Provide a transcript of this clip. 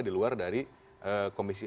di luar dari komisi